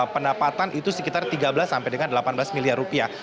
pendapatan itu sekitar tiga belas sampai dengan delapan belas miliar rupiah